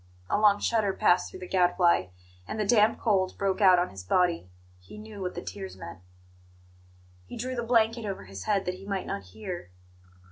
A long shudder passed through the Gadfly, and the damp cold broke out on his body. He knew what the tears meant. He drew the blanket over his head that he might not hear.